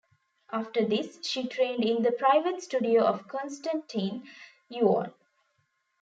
After this, she trained in the private studio of Konstantin Yuon.